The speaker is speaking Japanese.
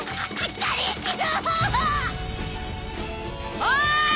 ・おい！